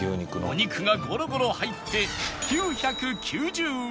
お肉がゴロゴロ入って９９０円